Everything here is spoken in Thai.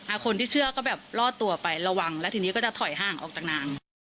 คนที่เชื่อก็แบบรอดตัวไประวังแล้วทีนี้ก็จะถอยห่างออกจากนาง